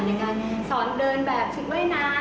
ในการสอนเดินแบบชุดว่ายน้ำ